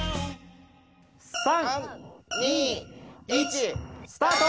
３２１スタート！